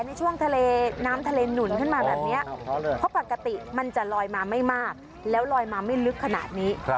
ในช่วงทะเลน้ำทะเลหนุนขึ้นมาแบบนี้เพราะปกติมันจะลอยมาไม่มากแล้วลอยมาไม่ลึกขนาดนี้